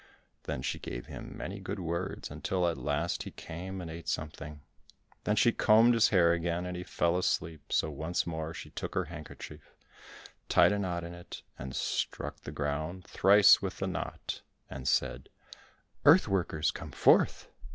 Then she gave him many good words until at last he came and ate something. Then she combed his hair again, and he fell asleep, so once more she took her handkerchief, tied a knot in it, and struck the ground thrice with the knot, and said, "Earth workers, come forth."